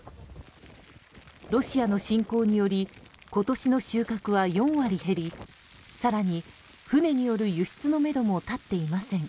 ロシアの侵攻により今年の収穫は４割減り更に、船による輸出のめども立っていません。